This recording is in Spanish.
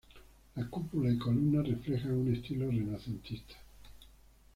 La cúpula y columnas reflejan un estilo renacentista.